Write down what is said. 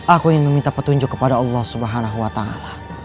aku ingin meminta petunjuk kepada allah subhanahu wa ta'ala